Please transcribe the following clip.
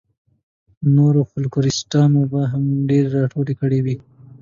نورو فوکلوریسټانو به هم ډېرې راټولې کړې وي.